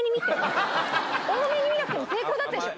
大目に見なくても成功だったでしょ？